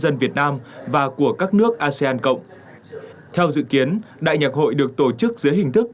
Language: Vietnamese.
dân việt nam và của các nước asean cộng theo dự kiến đại nhạc hội được tổ chức dưới hình thức